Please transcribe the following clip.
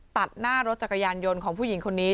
ตัดหน้ารถจักรยานยนต์ของผู้หญิงคนนี้